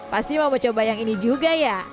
pasti mau coba yang ini juga ya